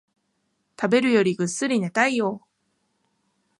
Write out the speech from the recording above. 食べるよりぐっすり寝たいよ